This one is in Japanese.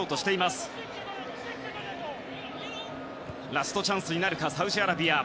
ラストチャンスになるかサウジアラビア。